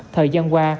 thời gian qua